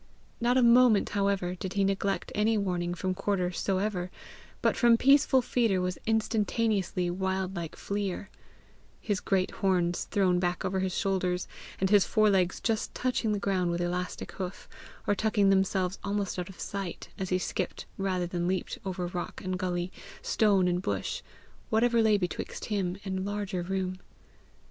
Not a moment, however, did he neglect any warning from quarter soever, but from peaceful feeder was instantaneously wind like fleer, his great horns thrown back over his shoulders, and his four legs just touching the ground with elastic hoof, or tucking themselves almost out of sight as he skipped rather than leaped over rock and gully, stone and bush whatever lay betwixt him and larger room.